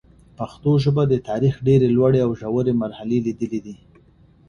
پښتو ژبه د تاریخ ډېري لوړي او ژوري مرحلې لیدلي دي.